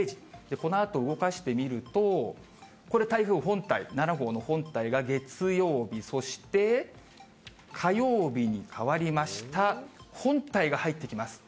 このあと動かしてみると、これ、台風本体、７号の本体が月曜日、そして火曜日に変わりました、本体が入ってきます。